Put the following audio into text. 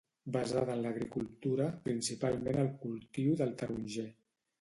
Basada en l'agricultura, principalment el cultiu del taronger.